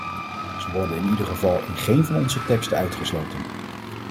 Ze worden in ieder geval in geen van onze teksten uitgesloten.